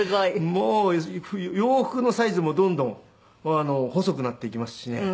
もう洋服のサイズもどんどん細くなっていきますしね。